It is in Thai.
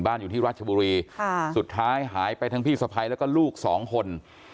อยู่ที่ราชบุรีสุดท้ายหายไปทั้งพี่สะพ้ายแล้วก็ลูกสองคน